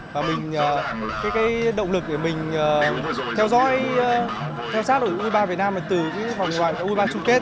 và cái động lực để mình theo dõi theo sát đội u hai mươi ba việt nam từ vòng ngoài u hai mươi ba chung kết